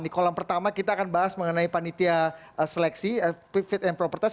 di kolam pertama kita akan bahas mengenai panitia seleksi fit and proper test